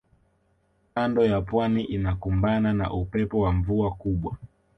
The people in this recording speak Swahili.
kando ya pwani inakumbana na upepo wa mvua kubwa